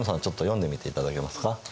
ちょっと読んでみていただけますか。